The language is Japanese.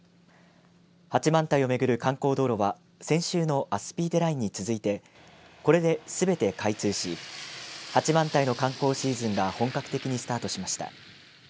八幡平を巡る観光道路は先週のアスピーテラインに続いてこれで、すべて開通し八幡平の観光シーズンが本格的にスタートしました。